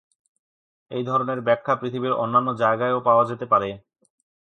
এই ধরনের ব্যাখ্যা পৃথিবীর অন্যান্য জায়গায়ও পাওয়া যেতে পারে।